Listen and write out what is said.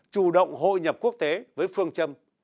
chủ động hội nhập quốc tế với phương châm